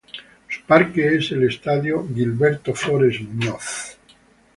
Su parque es el Estadio "Gilberto Flores Muñoz".